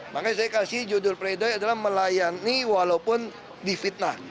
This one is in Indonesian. makanya saya kasih judul peredaya adalah melayani walaupun di fitnah